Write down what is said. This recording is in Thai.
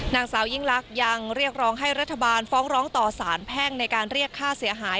นางสาวยิ่งลักษณ์ยังเรียกร้องให้รัฐบาลฟ้องร้องต่อสารแพ่งในการเรียกค่าเสียหาย